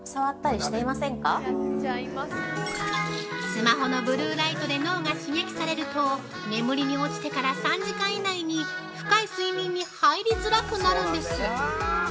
◆スマホのブルーライトで脳が刺激されると眠りに落ちてから３時間以内に深い睡眠に入りづらくなるんです。